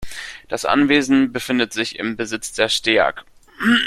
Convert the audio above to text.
Das Anwesen befindet sich im Besitz der Steag.